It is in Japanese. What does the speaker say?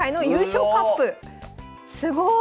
すごい！